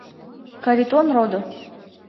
Каритон родо!..